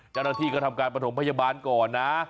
จรฐีก็ทำการประถมพยาบาลก่อนนะ